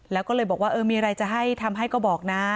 แล้วก็เลยบอกว่าเออมีอะไรจะให้ทำให้ก็บอกนะ